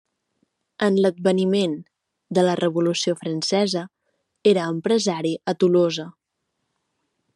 En l'adveniment de la Revolució francesa, era empresari a Tolosa.